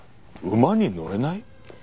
馬に乗れない！？